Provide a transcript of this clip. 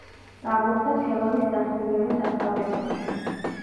სწავლობდა თელავის სასულიერო სასწავლებელში.